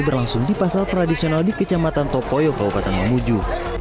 berlangsung di pasar tradisional di kecamatan topoyo kabupaten mamuju